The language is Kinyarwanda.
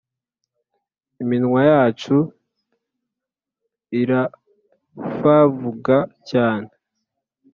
iminwa yacu irfavuga cyane